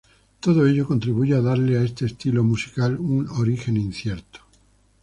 Todo ello contribuye a darle a este estilo musical un origen incierto.